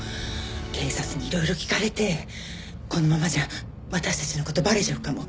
警察にいろいろ聞かれてこのままじゃ私たちの事バレちゃうかも。